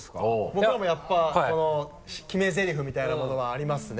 僕らもやっぱ決めゼリフみたいなものはありますね。